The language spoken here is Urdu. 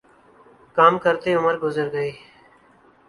کام کرتے عمر گزر گئی